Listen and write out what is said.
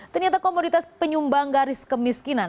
ternyata komoditas penyumbang garis kemiskinan